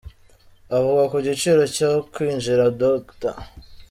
Avuga ku giciro cyo kwinjira Dr.